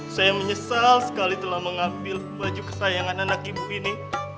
saya menyesal sekali telah mengambil baju kesayangan anak ibu ini